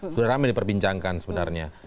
sudah rame diperbincangkan sebenarnya